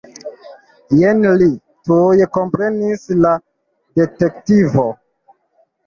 Jen li, tuj komprenis la detektivo.